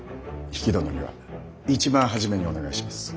比企殿には一番初めにお願いします。